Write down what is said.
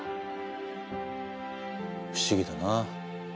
不思議だな。